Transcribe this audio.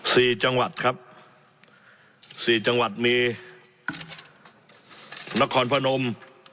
สี่จังหวัดครับสี่จังหวัดมีนครพนม